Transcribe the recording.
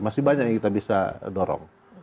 masih banyak yang kita bisa dorong